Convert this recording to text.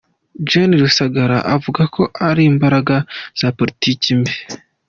Gen Rusagara, avuga ko ari imbaraga za politiki mbi.